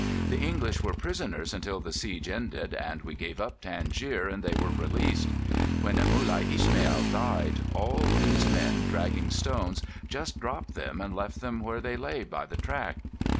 "The English were prisoners until the siege ended, and we gave up Tangier and they were released. When Mulai Ismail died, all these men dragging stones just dropped them and left them where they lay by the track.